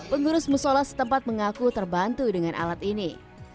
pengurus musola setempat mengaku terbantu dengan alat ini